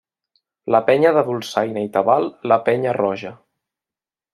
La penya de dolçaina i tabal La Penya roja.